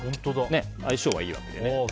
相性はいいわけで。